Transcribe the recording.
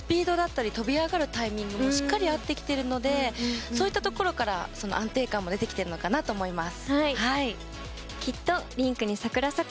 私も名古屋で練習見ていてもスピードだったり飛び上がるタイミングもしっかり合ってきているのでそういったところから、安定感も出てきてるのかなと思います。